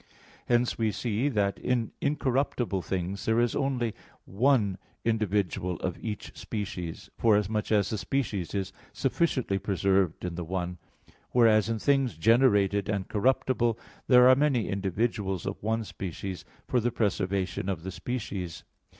Hence we see that in incorruptible things there is only one individual of each species, forasmuch as the species is sufficiently preserved in the one; whereas in things generated and corruptible there are many individuals of one species for the preservation of the species.